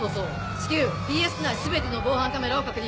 至急ＰＳ内全ての防犯カメラを確認。